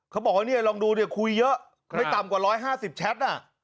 เขาบอกว่าเนี่ยลองดูเนี่ยคุยเยอะไม่ต่ำกว่า๑๕๐แชท